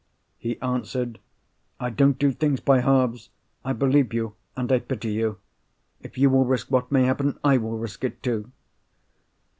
He answered, 'I don't do things by halves—I believe you, and I pity you. If you will risk what may happen, I will risk it too.